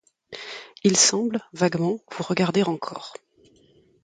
Ils semblent, vaguement, vous regarder encore...